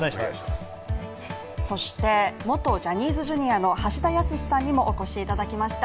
そして、元ジャニーズＪｒ．の橋田康さんにもお越しいただきました。